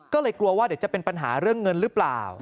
ก็เลยกลัวว่าเดี๋ยวจะเป็นปัญหาเรื่องเงินหรือเปล่า